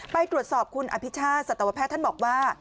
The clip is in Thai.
ไปตรวจสอบคุณอภิชาติสัตวแพทย์ท่านบอกว่า